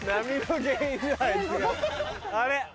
あれ！